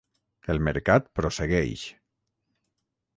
El mercat prossegueix.